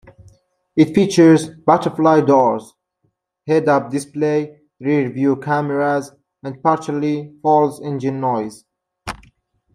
It features butterfly doors, head-up display, rear-view cameras and partially false engine noise.